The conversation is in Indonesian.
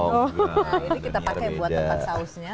nah ini kita pakai buat tempat sausnya